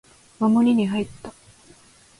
守りに入った